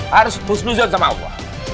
harus musnuzon sama allah